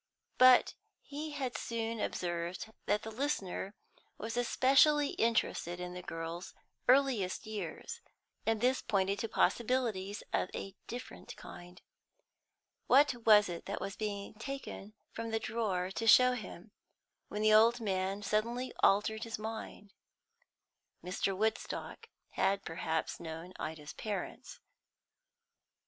But he had soon observed that the listener was especially interested in the girl's earliest years, and this pointed to possibilities of a different kind. What was it that was being taken from the drawer to show him, when the old man suddenly altered his mind? Mr. Woodstock had perhaps known Ida's parents.